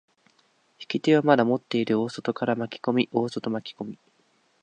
引き手をまだ持っている大外から巻き込み、大外巻き込み。